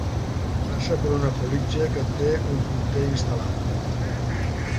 Passa per una politja que té un punter instal·lat.